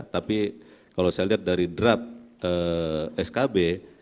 tapi kalau saya lihat dari draft skb